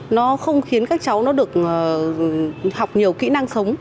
nó không khiến các cháu nó được học nhiều kỹ năng sống